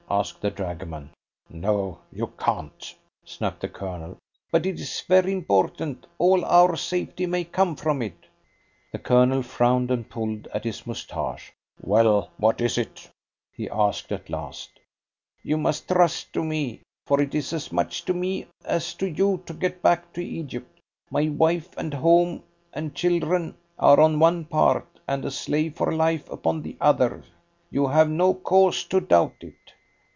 asked the dragoman. "No, you can't," snapped the Colonel. "But it is very important all our safety may come from it." The Colonel frowned and pulled at his moustache. "Well, what is it?" he asked at last. "You must trust to me, for it is as much to me as to you to get back to Egypt. My wife and home, and children, are on one part, and a slave for life upon the other. You have no cause to doubt it."